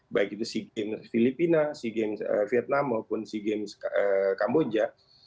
baik itu sea games filipina sea games vietnam maupun sea games kamboja